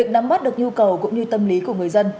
nó mất được nhu cầu cũng như tâm lý của người dân